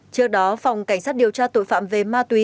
trước đó phòng cảnh sát điều tra tội phạm về ma túy